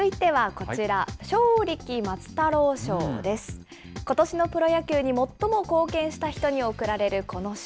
ことしのプロ野球に最も貢献した人に贈られるこの賞。